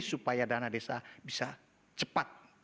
supaya dana desa bisa cepat